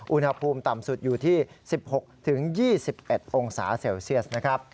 อุณหภูมิต่ำสุดอยู่ที่๑๖๒๑องศาเซลเซียสนะครับ